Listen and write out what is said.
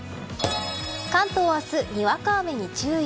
関東明日、にわか雨に注意。